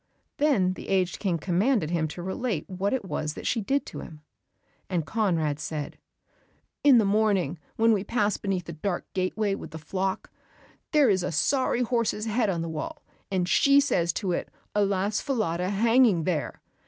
Then the aged King commanded him to relate what it was that she did to him. And Conrad said, "In the morning when we pass beneath the dark gateway with the flock, there is a sorry horse's head on the wall, and she says to it, "Alas, Falada, hanging there!"